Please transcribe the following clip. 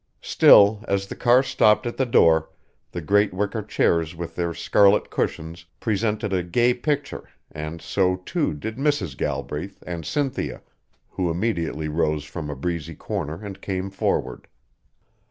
Still, as the car stopped at the door, the great wicker chairs with their scarlet cushions presented a gay picture and so, too, did Mrs. Galbraith and Cynthia who immediately rose from a breezy corner and came forward.